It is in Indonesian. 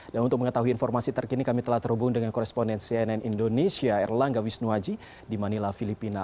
dan untuk mengetahui informasi terkini kami telah terhubung dengan koresponden cnn indonesia erlangga wisnuaji di manila filipina